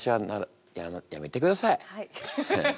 はい。